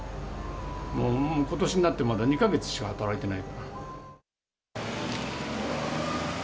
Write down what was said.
もうことしになって、まだ２か月しか働いてないから。